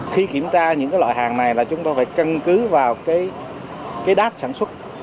khi kiểm tra những loại hàng này là chúng tôi phải cân cứ vào cái đát sản xuất